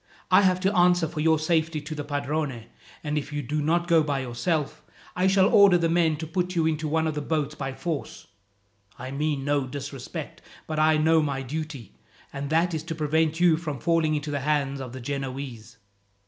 I have to answer for your safety to the padrone; and if you do not go by yourself, I shall order the men to put you into one of the boats by force. I mean no disrespect; but I know my duty, and that is to prevent you from falling into the hands of the Genoese."